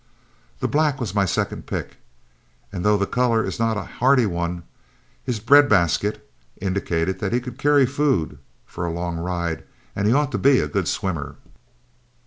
The black was my second pick, and though the color is not a hardy one, his "bread basket" indicated that he could carry food for a long ride, and ought to be a good swimmer.